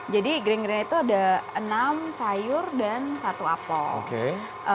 jadi green grenade itu ada enam sayur dan satu apel